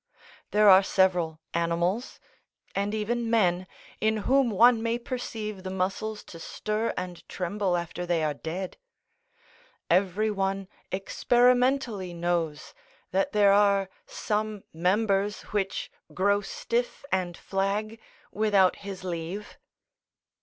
There are several animals, and even men, in whom one may perceive the muscles to stir and tremble after they are dead. Every one experimentally knows that there are some members which grow stiff and flag without his leave.